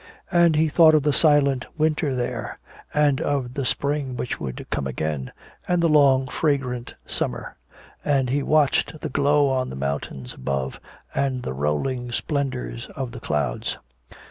And he thought of the silent winter there, and of the spring which would come again, and the long fragrant summer. And he watched the glow on the mountains above and the rolling splendors of the clouds.